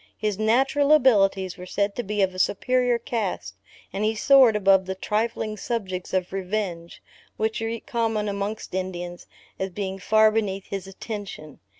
His natural abilities were said to be of a superior cast, and he soared above the trifling subjects of revenge, which are common amongst Indians, as being far beneath his attention.